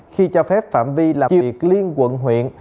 khi cho phép phạm vi làm việc liên quận huyện